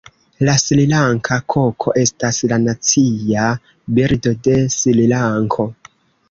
La Srilanka koko estas la Nacia birdo de Srilanko.